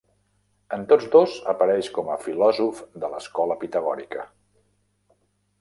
En tots dos, apareix com a filòsof de l'escola pitagòrica.